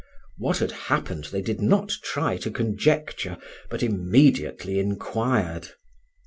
What had happened they did not try to conjecture, but immediately inquired.